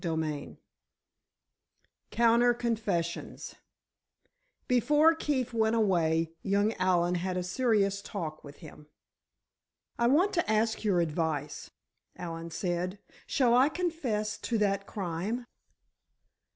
CHAPTER IX COUNTER CONFESSIONS Before Keefe went away, young Allen had a serious talk with him. "I want to ask your advice," Allen said; "shall I confess to that crime?"